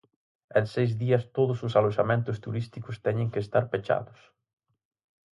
En seis días todos os aloxamentos turísticos teñen que estar pechados.